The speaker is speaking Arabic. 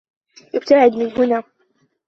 ابتعد من هنا.